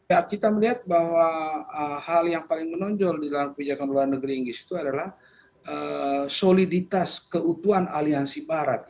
ya kita melihat bahwa hal yang paling menonjol di dalam kebijakan luar negeri inggris itu adalah soliditas keutuhan aliansi barat